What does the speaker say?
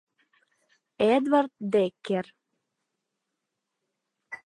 Эдвард Деккер”